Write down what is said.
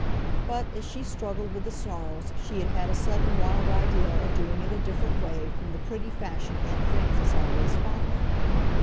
But as she struggled with the snarls she had had a sudden wild idea of doing it a different way from the pretty fashion Aunt Frances always followed.